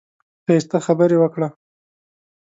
ښايسته خبرې وکړه.